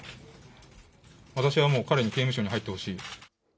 私はもう彼に刑務所に入ってほしい。